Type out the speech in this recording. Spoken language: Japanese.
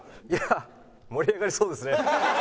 いや。